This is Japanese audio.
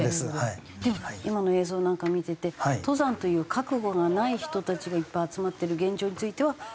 でも今の映像なんか見てて登山という覚悟がない人たちがいっぱい集まってる現状については三浦さんは？